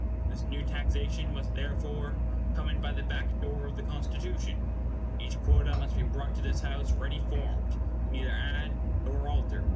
This new taxation must therefore come in by the back door of the Constitution. Each quota must be brought to this House ready formed; you can neither add nor alter.